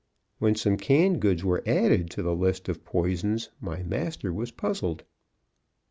When some canned goods were added to the list of poisons, my master was puzzled.